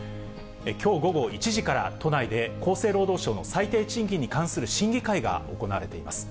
きょう午後１時から、都内で厚生労働省の最低賃金に関する審議会が行われています。